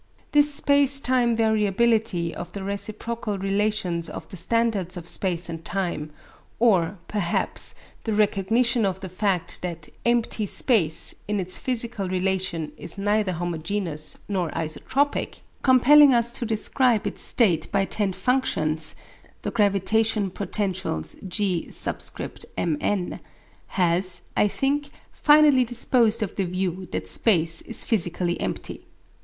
This space time variability of the reciprocal relations of the standards of space and time, or, perhaps, the recognition of the fact that "empty space" in its physical relation is neither homogeneous nor isotropic, compelling us to describe its state by ten functions (the gravitation potentials g_(mn)), has, I think, finally disposed of the view that space is physically empty.